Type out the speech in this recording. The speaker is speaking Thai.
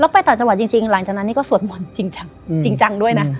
ไปต่างจังหวัดจริงหลังจากนั้นนี่ก็สวดมนต์จริงจังจริงจังด้วยนะ